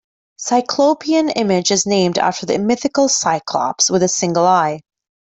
Cyclopean image is named after the mythical Cyclops with a single eye.